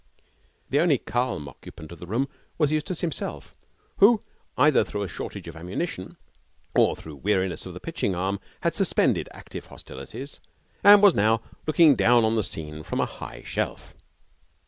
The only calm occupant of the room was Eustace himself, who, either through a shortage of ammunition or through weariness of the pitching arm, had suspended active hostilities, and was now looking down on the scene from a high shelf.